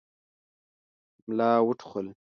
ملا وټوخل.